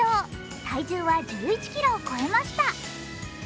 体重は１ｋｇを超えました。